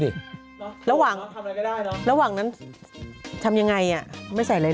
อเจมส์เนี่ย